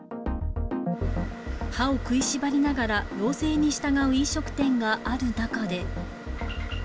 歯を食いしばりながら要請に従う飲食店がある中で。